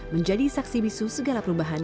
menjadi saksi bisu segala perubahan